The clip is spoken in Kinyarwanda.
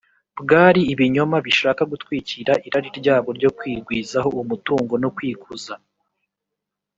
bwari ibinyoma bishaka gutwikira irari ryabo ryo kwigwizaho umutungo no kwikuza